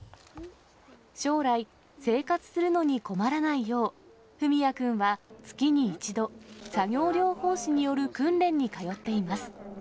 将来、生活するのに困らないよう、文也君は月に一度、作業療法士による訓練に通っています。